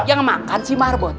yang makan si marbot